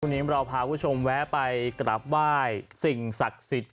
วันนี้เราพาคุณผู้ชมแวะไปกลับไหว้สิ่งศักดิ์สิทธิ์